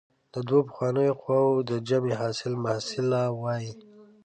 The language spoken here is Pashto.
د دوو پخوانیو قوو د جمع حاصل محصله وايي.